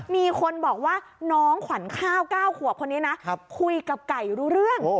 มีคนบอกว่าน้องขวัญข้าว๙ขวบคนนี้นะคุยกับไก่รู้เรื่อง